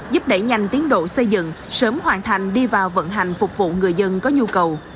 giúp đẩy nhanh tiến độ xây dựng sớm hoàn thành đi vào vận hành phục vụ người dân có nhu cầu